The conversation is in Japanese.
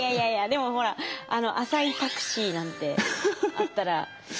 でもほら浅井タクシーなんてあったらね。